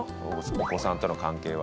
お子さんとの関係は。